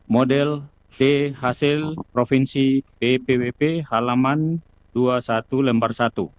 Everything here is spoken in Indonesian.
model d hasil provinsi ppwp halaman dua puluh satu lembar satu